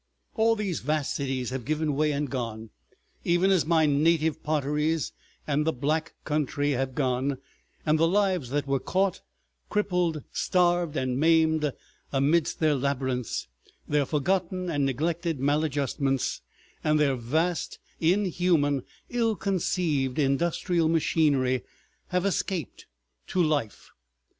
All these vast cities have given way and gone, even as my native Potteries and the Black Country have gone, and the lives that were caught, crippled, starved, and maimed amidst their labyrinths, their forgotten and neglected maladjustments, and their vast, inhuman, ill conceived industrial machinery have escaped—to life.